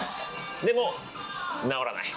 でも直らない。